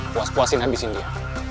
puas puasin habisin dia